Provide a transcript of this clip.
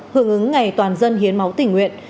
hưởng ứng ngày toàn dân hiến máu tình nguyện